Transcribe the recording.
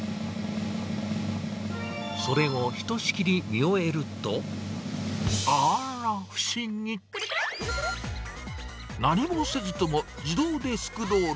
それをひとしきり見終えると、あーら不思議、何もせずとも自動でスクロール。